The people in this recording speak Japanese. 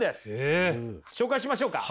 紹介しましょうか？